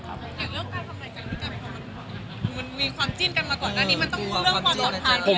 แต่เรื่องการทำอะไรจะรู้จักมันมีความจิ้นกันมาก่อนด้านนี้มันต้องก็เรื่องความรอดพัน